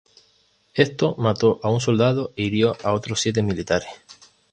Esto mató a un soldado e hirió a otros siete militares.